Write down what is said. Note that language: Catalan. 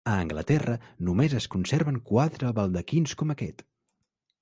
A Anglaterra només es conserven quatre baldaquins com aquest.